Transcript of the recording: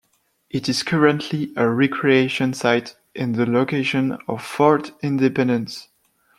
It is currently a recreation site and the location of Fort Independence.